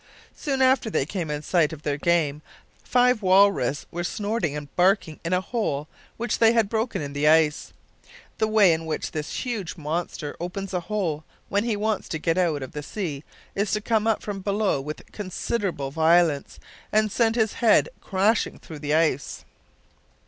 Soon after they came in sight of their game. Five walrus were snorting and barking in a hole which they had broken in the ice. The way in which this huge monster opens a hole when he wants to get out of the sea is to come up from below with considerable violence and send his head crashing through the ice.